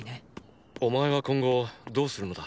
お前は今後どうするのだ？